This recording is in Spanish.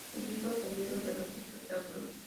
Seguidos del "Libro de los Espectáculos".